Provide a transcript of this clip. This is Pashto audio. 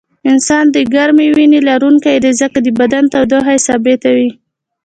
انسان د ګرمې وینې لرونکی دی ځکه د بدن تودوخه یې ثابته وي